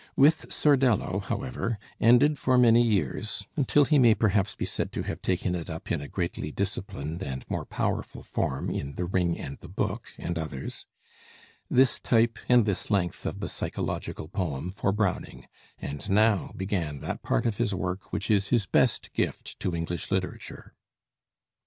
With 'Sordello,' however, ended for many years until he may perhaps be said to have taken it up in a greatly disciplined and more powerful form in 'The Ring and the Book' and others this type and this length of the psychological poem for Browning; and now began that part of his work which is his best gift to English literature.